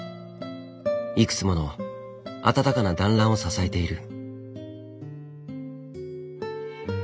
いくつもの温かな団らんを支えている。